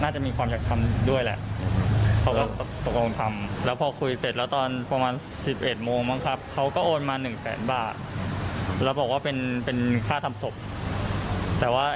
ใช่ครับอ่าเขาก็เห็นว่าเพิ่มอีกไม่เท่าไหร่แล้วแหละอ่ะ